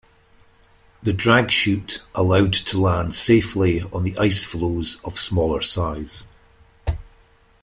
The drag chute allowed to land safely on the ice-floes of smaller size.